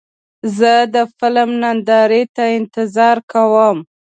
زه د فلم نندارې ته انتظار کوم.